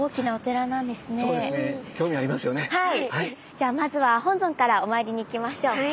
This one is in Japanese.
じゃあまずは本尊からお参りに行きましょう。